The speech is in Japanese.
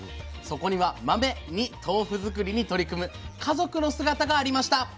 そこには「マメ」に豆腐作りに取り組む家族の姿がありました。